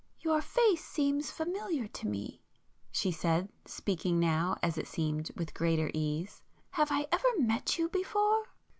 "Your face seems familiar to me,"—she said, speaking now, as it seemed, with greater ease—"Have I ever met you before?"